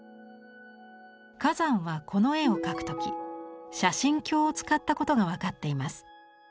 崋山はこの絵を描く時写真鏡を使ったことが分かっています。